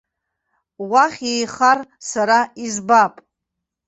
Уахь еихар, сара избап.